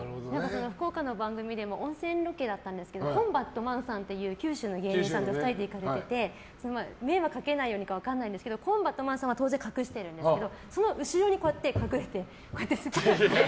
福岡の番組でも温泉ロケだったんですけどコンバットマンさんっていう九州の芸人さんと２人でいかれてて迷惑かけないようにかコンバンット満さんは当然隠してるんですけどその後ろに隠れて。